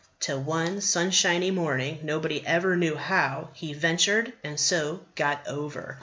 Till, one sunshiny morning, nobody ever knew how, he ventured, and so got over.